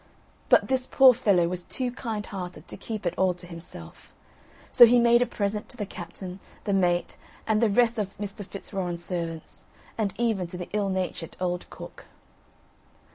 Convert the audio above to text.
But this poor fellow was too kind hearted to keep it all to himself; so he made a present to the captain, the mate, and the rest of Mr. Fitzwarren's servants; and even to the ill natured old cook.